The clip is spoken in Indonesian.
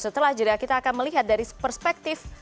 setelah jeda kita akan melihat dari perspektif